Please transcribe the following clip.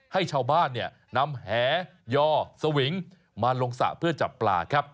ให้ชาวบ้านนำแหย่อสวิงมาลงสระเพื่อจับปลาครับ